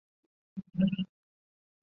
阿夫尔河畔蒙蒂尼。